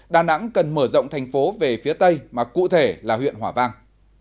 đà nẵng cần mở rộng thành phố về phía tây mà cụ thể là huyện hòa vang